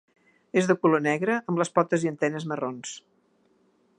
És de color negre amb les potes i antenes marrons.